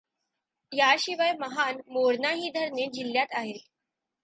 याशिवाय महान, मोर्णा ही धरणे जिल्ह्यात आहेत.